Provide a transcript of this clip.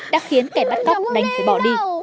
đã khiến kẻ bắt cóc đánh phải bỏ đi